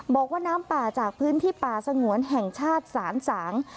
บอกว่าน้ำป่าจากพื้นที่ป่าสงวนแห่งชาติสานสาง